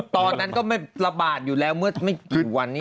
ตอนนั้นก็ไม่ระบาดอยู่แล้วเมื่อไม่กี่วันนี้